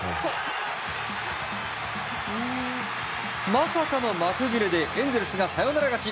まさかの幕切れでエンゼルスがサヨナラ勝ち。